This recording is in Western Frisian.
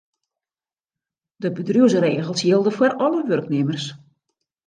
De bedriuwsregels jilde foar alle wurknimmers.